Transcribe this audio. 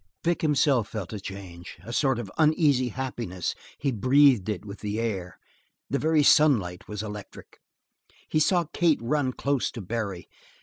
Vic himself felt a change, a sort of uneasy happiness; he breathed it with the air. The very sunlight was electric. He saw Kate run close to Barry.